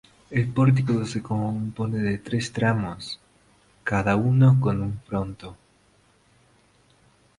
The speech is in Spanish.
El pórtico se compone de tres tramos, cada uno con un frontón.